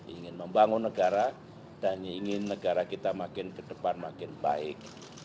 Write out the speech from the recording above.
ingin membangun negara dan ingin negara kita makin ke depan makin baik